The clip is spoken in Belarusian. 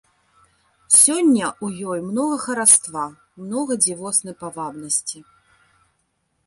Сёння ў ёй многа хараства, многа дзівоснай павабнасці.